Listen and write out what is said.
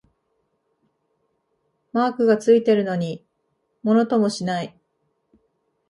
マークがついてるのにものともしない